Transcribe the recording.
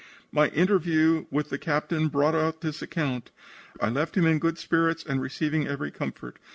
"My interview with the captain brought out this account. I left him in good spirits and receiving every comfort.